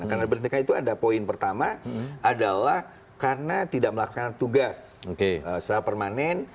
karena diberhentikan itu ada poin pertama adalah karena tidak melaksanakan tugas secara permanen